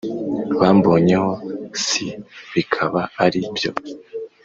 Bambonyeho s bikaba ari byo